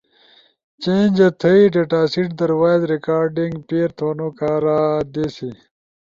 چیں چی تھئی ڈیٹاسیٹ در وائس ریکارڈنگ پیر تھونو کارا دے سی۔